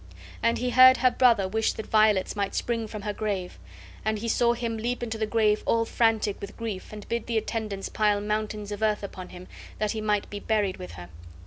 And he heard her brother wish that violets might spring from her grave; and he saw him leap into the grave all frantic with grief, and bid the attendants pile mountains of earth upon him, that he might be buried with her.